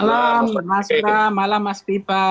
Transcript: selamat malam mas viva